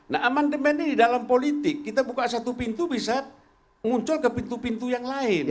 nah amandemen ini dalam politik kita buka satu pintu bisa muncul ke pintu pintu yang lain